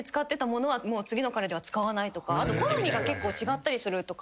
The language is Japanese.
あと好みが結構違ったりするとか。